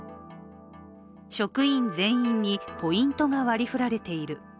職員全員にポイントが割り振られている。